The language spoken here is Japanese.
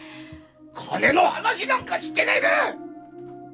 金の話なんかしてねえべ！